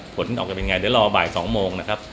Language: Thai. ผลออกจะเป็นไงเดี๋ยวรอบ่าย๒โมงนะครับ